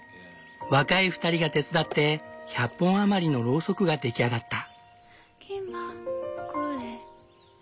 若い２人が手伝って１００本余りのロウソクが出来上がった。